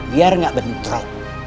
biar gak bentrok